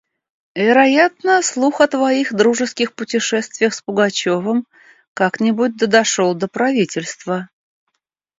Вероятно, слух о твоих дружеских путешествиях с Пугачевым как-нибудь да дошел до правительства.